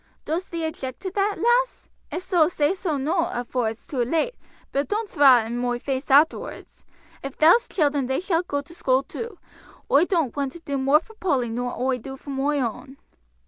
Dost thee object to that, lass? if so, say so noo afore it's too late, but doon't thraw it in moi face arterwards. Ef thou'st children they shalt go to school too. Oi don't want to do more for Polly nor oi'd do for moi own."